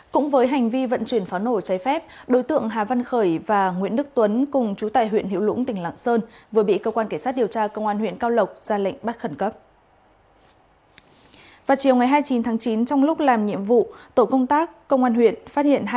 cũng với hành vi vận chuyển pháo nổ cháy phép đối tượng hà văn khởi và nguyễn đức tuấn cùng chú tài huyện hiệu lũng tỉnh lạng sơn vừa bị cơ quan cảnh sát điều tra công an huyện cao lộc ra lệnh bắt khẩn cấp